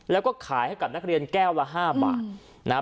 แล้วก็ขายให้กับนักเรียนแก้วละ๕บาทนะครับ